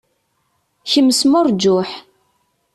Kemm smurǧuḥ.